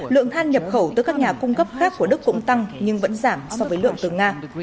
lượng than nhập khẩu từ các nhà cung cấp khác của đức cũng tăng nhưng vẫn giảm so với lượng từ nga